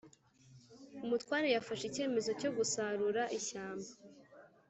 Umutware yafashe icyemezo cyo gusarura ishyamba